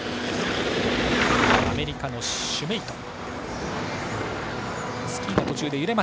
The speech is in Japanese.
アメリカのシュメイト。